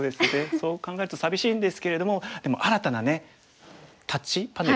そう考えると寂しいんですけれどもでも新たねタッチパネル。